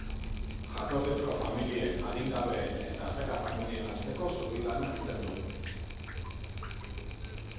Jatorrizko familien, adingabeen eta harrera familien arteko zubi lana egiten du.